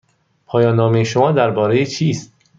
پایان نامه شما درباره چیست؟